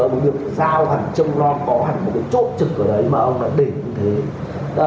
một việc giao hẳn châm lo có hẳn một cái chỗ trực ở đấy mà ông đã để như thế